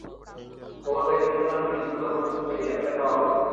খবর পেয়ে ফেনী থানার পুলিশ দ্রুত ঘটনাস্থলে গিয়ে ডাকাতদের ধাওয়া করে।